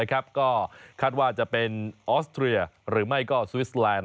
ก็คาดว่าจะเป็นออสเตรียหรือไม่ก็สวิสแลนด์